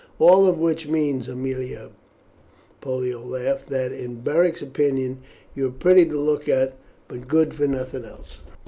"All of which means, Aemilia," Pollio laughed, "that, in Beric's opinion, you are pretty to look at, but good for nothing else."